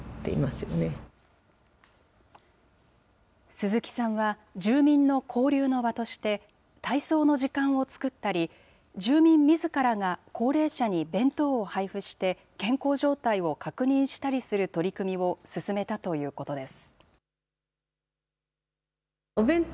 鈴木さんは、住民の交流の場として、体操の時間を作ったり、住民みずからが高齢者に弁当を配付して健康状態を確認したりする取り組みを進めたということです。